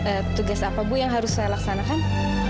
ee tugas apa bu yang harus saya laksanakan